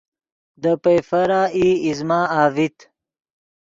دے پئیفر ای ایزمہ اڤیت